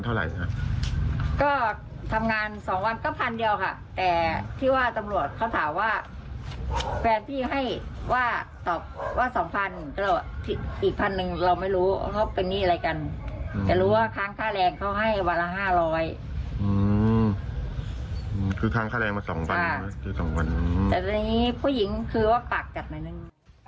แต่ตอนนี้ผู้หญิงคือว่าปากจัดใหม่หนึ่ง